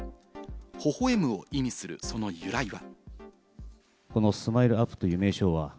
「ほほ笑む」を意味するその由来は。